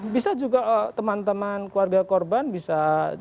bisa juga teman teman keluarga korban bisa